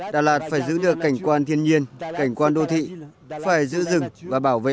đà lạt phải giữ được cảnh quan thiên nhiên cảnh quan đô thị phải giữ rừng và bảo vệ